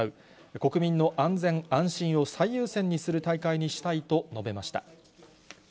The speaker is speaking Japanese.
国民の安全安心を最優先にする大会にしたいと述べました。